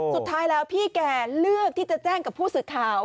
สุดท้ายแล้วพี่แกเลือกที่จะแจ้งกับผู้สื่อข่าว